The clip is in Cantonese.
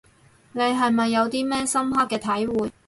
你係咪有啲咩深刻嘅體會